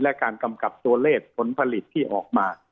และการกำกับตัวเลขผลผลิตที่ออกมา